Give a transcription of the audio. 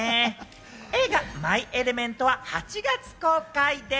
映画『マイ・エレメント』は８月公開です。